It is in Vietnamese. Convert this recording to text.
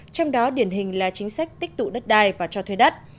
trong đó điển hình là chính sách tích tụ đất đai và cho thuê đất